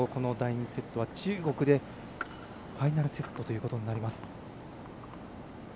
ここを、もしブレークされるとこの第２セットは中国でファイナルセットということになります。